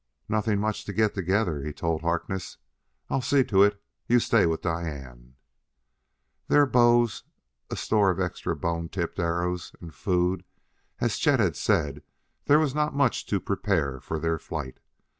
"Nothing much to get together," he told Harkness. "I'll see to it; you stay with Diane." Their bows, a store of extra bone tipped arrows, and food: as Chet had said there was not much to prepare for their flight.